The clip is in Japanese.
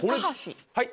はい？